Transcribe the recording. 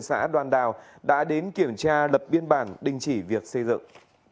xã đoàn đào đã đến kiểm tra lập biên bản đình chỉ việc xây dựng